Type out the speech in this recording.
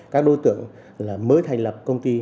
các đối tượng mới thành lập công ty